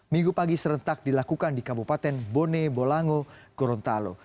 minggu pagi serentak dilakukan di kabupaten bone bolango gorontalo